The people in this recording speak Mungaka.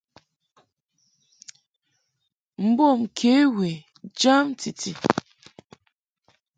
Mbom kě we jam titi.